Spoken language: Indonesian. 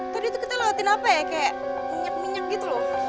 tadi itu kita lewatin apa ya kayak minyak minyak gitu loh